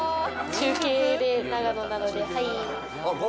中継で長野なので。